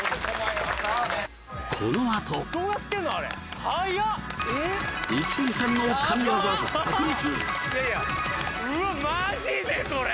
このあとイキスギさんの神業さく裂！